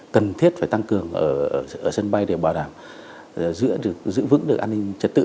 cần thiết phải tăng cường ở sân bay để bảo đảm giữ vững được an ninh trật tự